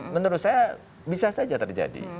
menurut saya bisa saja terjadi